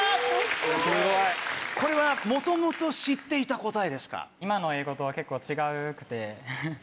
これは元々知っていた答えですか？